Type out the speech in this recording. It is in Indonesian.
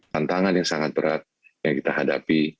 tantangan yang sangat berat yang kita hadapi